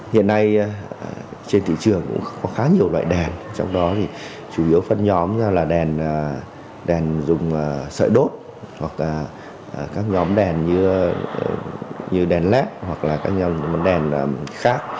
hiện nay trên thị trường cũng có khá nhiều loại đèn trong đó thì chủ yếu phân nhóm ra là đèn dùng sợi đốt hoặc các nhóm đèn như đèn led hoặc là các món đèn khác